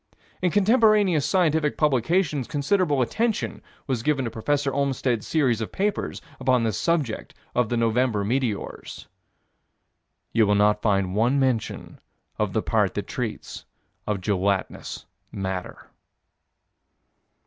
In contemporaneous scientific publications considerable attention was given to Prof. Olmstead's series of papers upon this subject of the November meteors. You will not find one mention of the part that treats of gelatinous matter.